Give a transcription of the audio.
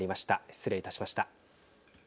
失礼いたしました。